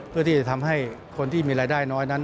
เพื่อที่จะทำให้คนที่มีรายได้น้อยนั้น